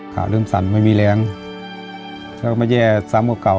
ขาเริ่มสั่นไม่มีแรงมันแย่ซ้ำกว่าเก่า